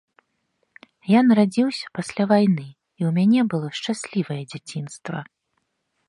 Я нарадзіўся пасля вайны, і ў мяне было шчаслівае дзяцінства.